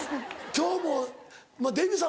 今日もデヴィさん